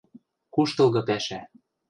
– Куштылгы пӓшӓ.